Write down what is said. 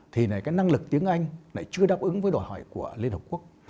thì cái năng lực tiếng anh lại chưa đáp ứng với đòi hỏi của liên hợp quốc